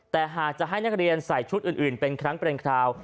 แต่หากจะให้นักเรียนใส่ชุดอื่นเป็นครั้งเป็นคราว